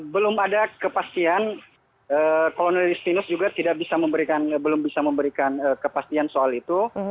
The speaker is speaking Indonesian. belum ada kepastian kolonel justinus juga belum bisa memberikan kepastian soal itu